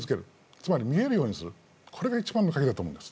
つまり見えるようにするこれが一番の鍵だと思います。